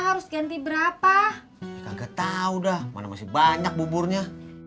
harus ganti berapa kakek tahu dah mana masih banyak buburnya